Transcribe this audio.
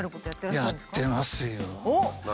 やってますよ。